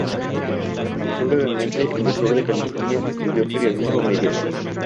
Se estableció brevemente en el sur de California, estudió periodismo mediático.